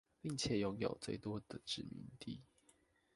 並且擁有最多的殖民地